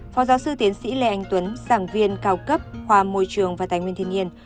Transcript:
phó giáo sư tiến sĩ lê anh tuấn giảng viên cao cấp hòa môi trường và tài nguyên thiên nhiên